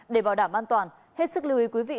để bảo đảm an toàn hết sức lưu ý quý vị